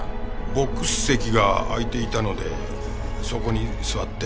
ボックス席が空いていたのでそこに座って。